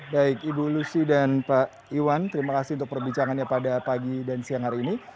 baik ibu lucy dan pak iwan terima kasih untuk perbicaraannya pada pagi dan siang hari ini